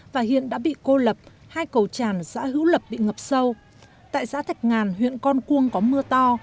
và hiện đã bị cô lập hai cầu tràn xã hữu lập bị ngập sâu tại xã thạch ngàn huyện con cuông có mưa to